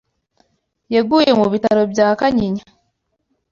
Yaguye mubitaro bya Kanyinya